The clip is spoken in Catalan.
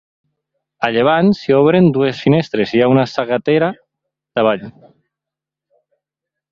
A llevant s'hi obren dues finestres i hi ha una sagetera davall.